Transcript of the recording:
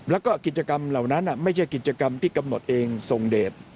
แล้วก็กิจกรรมเหล่านั้นไม่ใช่กิจกรรมที่กำหนดเองทรงเดท